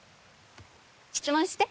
質問して。